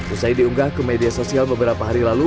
usai diunggah ke media sosial beberapa hari lalu